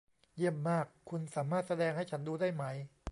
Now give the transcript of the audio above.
เยี่ยมมาก คุณสามารถแสดงให้ฉันดูได้ไหม